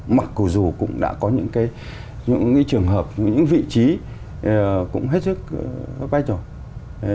mặc dù cũng đã có những cái những cái trường hợp những vị trí cũng hết sức bách rồi